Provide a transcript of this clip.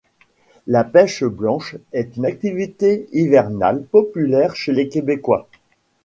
La pêche blanche est une activité hivernale populaire chez les Québécois.